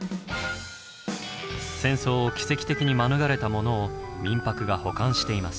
戦争を奇跡的に免れたものを「みんぱく」が保管しています。